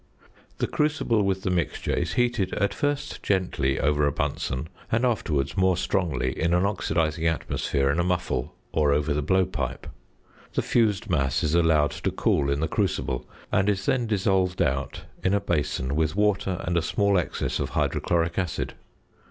The crucible with the mixture is heated at first gently over a Bunsen and afterwards more strongly in an oxidising atmosphere in a muffle or over the blowpipe. The fused mass is allowed to cool in the crucible, and is then dissolved out in a basin with water and a small excess of hydrochloric acid.